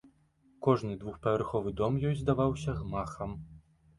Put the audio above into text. Кожны двухпавярховы дом ёй здаваўся гмахам.